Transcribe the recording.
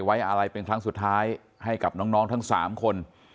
ไว้อะไรเป็นครั้งสุดท้ายให้กับน้องทั้ง๓คน